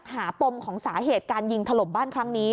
ปมของสาเหตุการยิงถล่มบ้านครั้งนี้